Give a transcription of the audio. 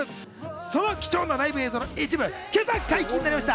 その貴重なライブ映像の一部が今朝、解禁になりました。